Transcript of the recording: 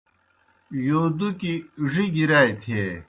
یودُکیْ ڙگیْ راتیْ ہے